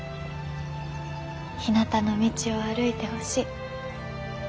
ひなたの道を歩いてほしい。